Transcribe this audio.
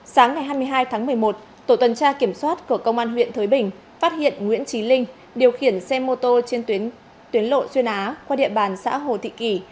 sáng ngày hai mươi hai tháng một mươi một tổ tuần tra kiểm soát của công an huyện thới bình phát hiện nguyễn trí linh điều khiển xe mô tô trên tuyến lộ xuyên á qua địa bàn xã hồ thị kỳ